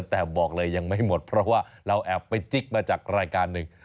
แต่บอกเลยยังไม่หมดเพราะว่าเราแอบไปจิ๊กมาจากรายการหนึ่ง